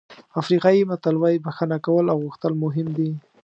افریقایي متل وایي بښنه کول او غوښتل مهم دي.